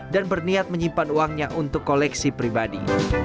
dan berniat menyimpan uangnya untuk koleksi pribadi